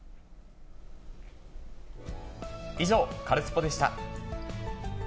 以上、カルスポっ！でした。